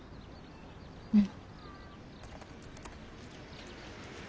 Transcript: うん。